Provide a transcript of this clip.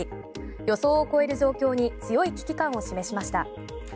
予想を超える状況に強い危機感を示しました。